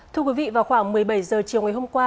thưa quý vị vào khoảng một mươi bảy h chiều ngày hôm qua